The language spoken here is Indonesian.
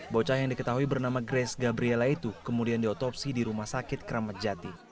bocah yang diketahui bernama grace gabriela itu kemudian diotopsi di rumah sakit keramat jati